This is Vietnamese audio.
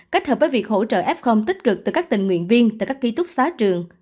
kết hợp với việc hỗ trợ f tích cực từ các tình nguyện viên tại các ký túc xá trường